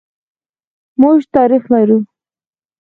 موږ تاریخ لرو.